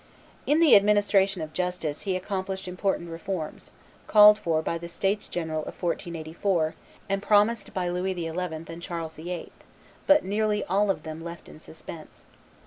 In the administration of justice he accomplished important reforms, called for by the states general of 1484 and promised by Louis XI. and Charles VIII., but nearly all of them left in suspense.